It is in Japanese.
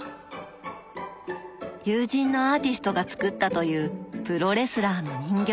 友人のアーティストが作ったというプロレスラーの人形。